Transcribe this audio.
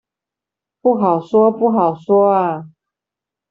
不好說，不好說阿